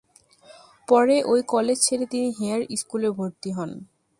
পরে ওই কলেজ ছেড়ে তিনি হেয়ার স্কুলে ভর্তি হন।